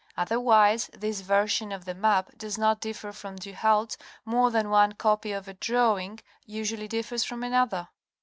Otherwise this version of the map does not differ from Du Halde's, more than one copy of a drawing usually differs from another.